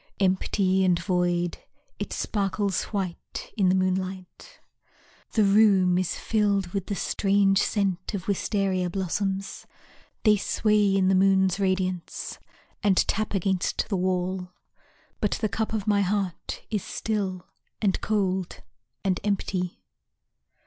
Empty and void, it sparkles white in the moonlight. The room is filled with the strange scent Of wistaria blossoms. They sway in the moon's radiance And tap against the wall. But the cup of my heart is still, And cold, and empty.